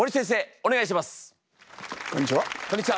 お願いします。